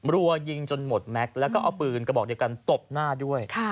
รัวยิงจนหมดแม็กซ์แล้วก็เอาปืนกระบอกเดียวกันตบหน้าด้วย